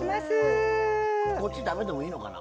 こっち食べてもいいのかな。